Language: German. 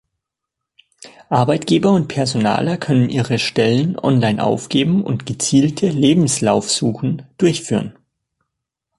Arbeitgeber und Personaler können ihre Stellen online aufgeben und gezielte Lebenslaufsuchen durchführen.